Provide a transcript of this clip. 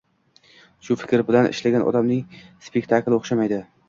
Shu fikr bilan ishlagan odamning spektakli o‘xshamaydi.